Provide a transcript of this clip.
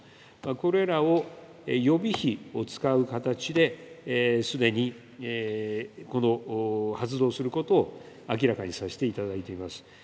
これらを予備費を使う形で、すでにこの発動することを明らかにさせていただいています。